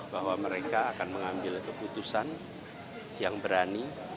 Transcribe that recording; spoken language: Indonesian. bahwa mereka akan mengambil keputusan yang berani